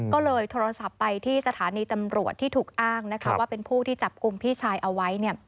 ก็เลยโทรศัพท์ไปที่สถานีตำรวจที่ถูกอ้างว่าเป็นผู้ที่จับกลุ่มพี่ชายเอาไว้